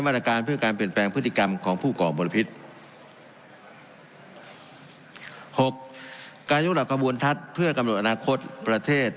หกการยุกต์กระดับกระบวนทัศน์เพื่อกำหนดอนาคตประเทศ